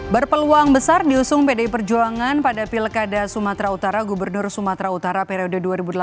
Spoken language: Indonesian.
berpeluang besar diusung pdi perjuangan pada pilkada sumatera utara gubernur sumatera utara periode dua ribu delapan belas dua ribu dua